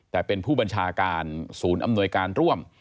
แต่เป็นผู้บัญชาการศูนย์อำนวยการร่วม